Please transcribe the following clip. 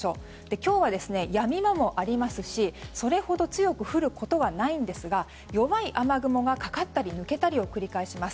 今日はやみ間もありますしそれほど強く降ることはないんですが弱い雨雲がかかったり抜けたりを繰り返します。